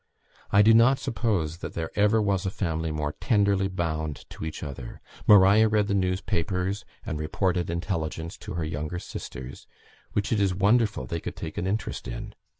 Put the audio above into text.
I do not suppose that there ever was a family more tenderly bound to each other. Maria read the newspapers, and reported intelligence to her younger sisters which it is wonderful they could take an interest in.